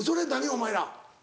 お前ら。